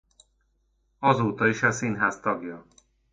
Azóta is a színház tagja.